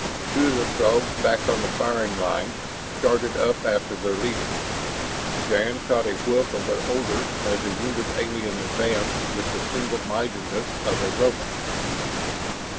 Two of the Throgs back on the firing line started up after their leader. Shann caught a whiff of their odor as the wounded alien advanced with the single mindedness of a robot.